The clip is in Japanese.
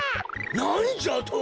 なんじゃと！？